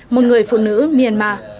một người phụ nữ myanmar